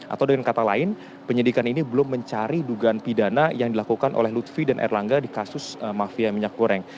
atau dengan kata lain penyidikan ini belum mencari dugaan pidana yang dilakukan oleh lutfi dan erlangga di kasus mafia minyak goreng